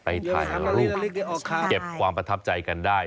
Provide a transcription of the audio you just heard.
ไปถ่ายรูปเก็บความประทับใจกันได้